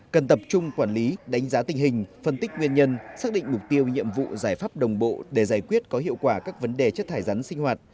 cần tập trung quản lý đánh giá tình hình phân tích nguyên nhân xác định mục tiêu nhiệm vụ giải pháp đồng bộ để giải quyết có hiệu quả các vấn đề chất thải rắn sinh hoạt